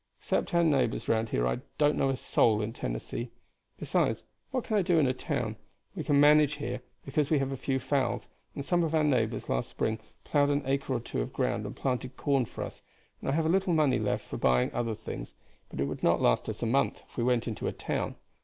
Except our neighbors round here I do not know a soul in Tennessee. Besides, what can I do in a town? We can manage here, because we have a few fowls, and some of our neighbors last spring plowed an acre or two of ground and planted corn for us, and I have a little money left for buying other things; but it would not last us a month if we went into a town.